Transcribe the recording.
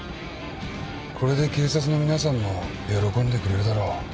これで警察の皆さんも喜んでくれるだろう。